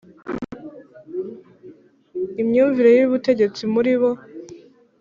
imyumvire y ubutegetsi muri bo